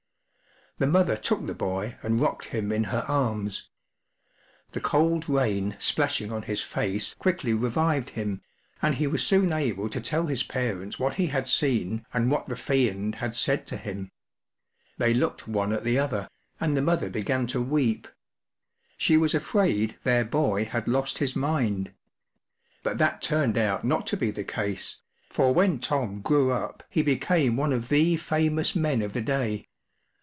The mother took the boy and rocked him in her arms. The cold rain splashing on his face quickly revived him, and he was soon able to tell his parents what he had seen and what the Fiend had said to him. They looked one at the other, and the mother began to weep* She was afraid their boy had lost his mind, but that turned out not to be the case, for when Tom grew up he became one of the famous men of the day.